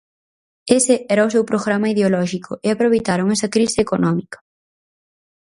Ese era o seu programa ideolóxico e aproveitaron esa crise económica.